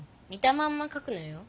まんまかくのよ。